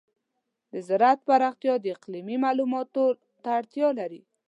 د زراعت پراختیا د اقلیمي معلوماتو ته اړتیا لري.